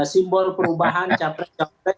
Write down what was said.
simbol perubahan capres cawapres